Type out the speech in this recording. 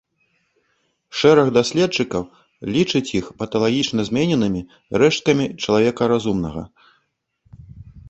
Шэраг даследчыкаў лічыць іх паталагічна змененымі рэшткамі чалавека разумнага.